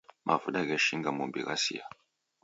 Mavuda gheshinga mumbi ghasia.